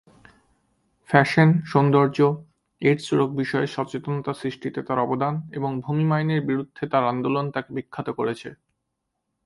Fashion, সৌন্দর্য, AIDS রোগ বিষয়ে সচেতনতা সৃষ্টিতে তার অবদান, এবং ভূমি মাইনের বিরুদ্ধে তার আন্দোলন তাকে বিখ্যাত করেছে।